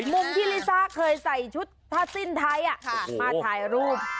มุมที่ลิซ่าเคยใส่ชุดผ้าสิ้นไทยมาถ่ายรูป